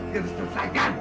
saya akan selesaikan